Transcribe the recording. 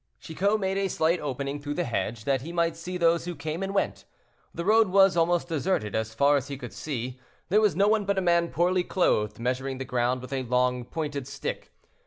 Chicot made a slight opening through the hedge, that he might see those who came and went. The road was almost deserted as far as he could see; there was no one but a man poorly clothed measuring the ground with a long, pointed stick.